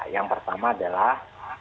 yang pertama adalah